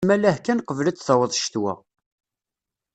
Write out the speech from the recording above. Nettmalah kan qbel ad d-taweḍ ccetwa.